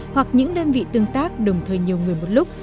hoặc những đơn vị tương tác đồng thời nhiều người một lúc